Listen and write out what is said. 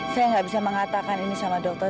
saya nggak bisa mengatakan ini sama dokter